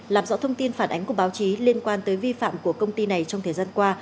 làm rõ thông tin phản ánh của báo chí liên quan tới vi phạm của công ty này trong thời gian qua